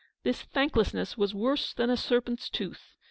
This thanklessness was worse than a serpent's tooth.